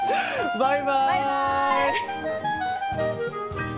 バイバイ！